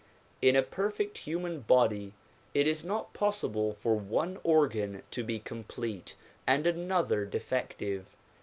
In a perfect human body it is not possible for one organ to be complete and another defective.